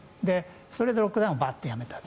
それでロックダウンをやめたと。